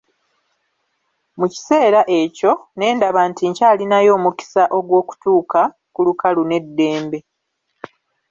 Mu kiseera ekyo ne ndaba nti nkyalinayo omukisa ogw'okutuuka ku lukalu n'eddembe.